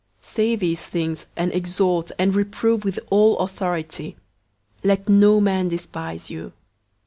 002:015 Say these things and exhort and reprove with all authority. Let no man despise you.